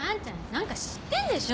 何か知ってんでしょ？